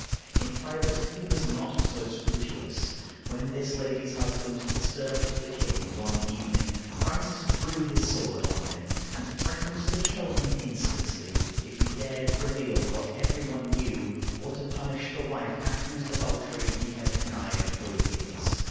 In private he was not so scrupulous. When this lady's husband disturbed the king one evening, Francis drew his sword on him, and threatened to kill him instantly if he dared to reveal what every one knew, or to punish the wife at whose adultery he had connived for years.